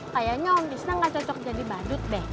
kayaknya om disna gak cocok jadi badut deh